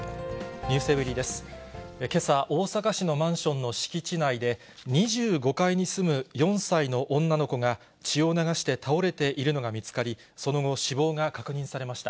けさ、大阪市のマンションの敷地内で、２５階に住む４歳の女の子が、血を流して倒れているのが見つかり、その後、死亡が確認されました。